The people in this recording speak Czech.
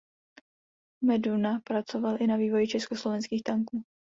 Meduna pracoval i na vývoji československých tanků.